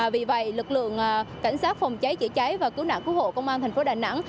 vì vậy lực lượng cảnh sát phòng cháy chữa cháy và cứu nạn cứu hộ công an thành phố đà nẵng